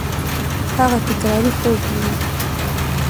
هغه تکراري خوب ویني.